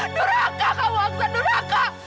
duraka kamu aksan duraka